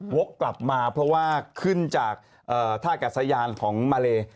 วกกลับมาเพราะว่าขึ้นจากท่ากัสยานของมาเล